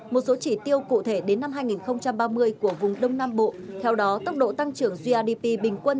một số chỉ tiêu cụ thể đến năm hai nghìn ba mươi của vùng đông nam bộ theo đó tốc độ tăng trưởng grdp bình quân